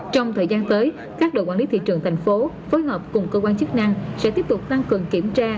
trong thời gian tới các đội quản lý thị trường thành phố phối hợp cùng cơ quan chức năng sẽ tiếp tục tăng cường kiểm tra